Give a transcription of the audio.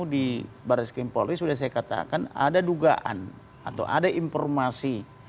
di baris krim polri sudah saya katakan ada dugaan atau ada informasi